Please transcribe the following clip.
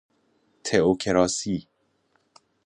تئوکراسی